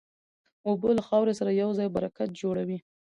اوبه له خاورې سره یوځای برکت جوړوي.